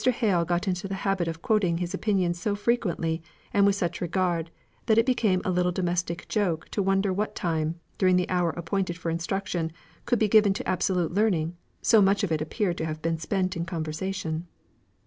Hale got into the habit of quoting his opinions so frequently, and with such regard, that it became a little domestic joke to wonder what time, during the hour appointed for instruction, could be given to absolute learning, so much of it appeared to have been spent in conversation.